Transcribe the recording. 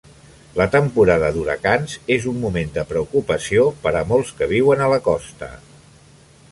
La temporada d'huracans és un moment de preocupació per a molts que viuen a la costa.